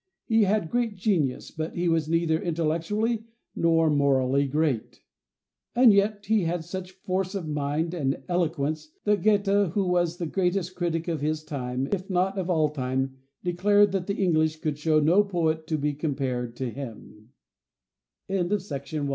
He had great genius; but he was neither intellectually nor morally great. And yet he had such force of mind and eloquence that Goethe, (gay´ te) who was the greatest critic of his time, if not of all time, declared that the English could show no poet to be compared with h